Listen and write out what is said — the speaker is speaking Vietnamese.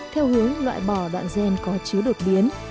theo hướng loại bỏ đoạn gen có chứa đột biến